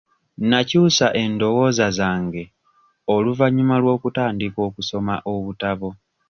Nakyusa endowooza zange oluvannyuma lw'okutandika okusoma obutabo.